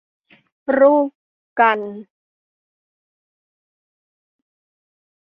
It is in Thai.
รูปกัน